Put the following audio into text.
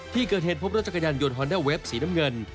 ที่เกิดเหตุพบรถจักรยานยนต์ฮอนด้าเวฟสีน้ำเงิน